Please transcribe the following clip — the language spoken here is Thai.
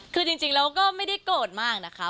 คือจริงแล้วก็ไม่ได้โกรธมากนะคะ